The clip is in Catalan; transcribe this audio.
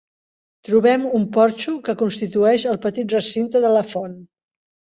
Trobem un porxo que constitueix el petit recinte de la font.